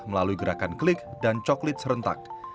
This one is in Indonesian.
melalui gerakan klik dan coklit serentak